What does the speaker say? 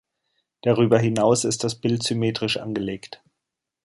Darüber hinaus ist das Bild symmetrisch angelegt.